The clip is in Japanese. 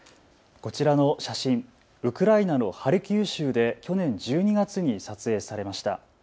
こちらの写真、ウクライナのハルキウ州で去年１２月に撮影されました。